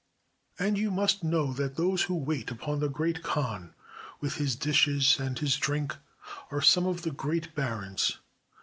And you must know that those who wait upon the Great Khan with his dishes and his drink are some of the great barons.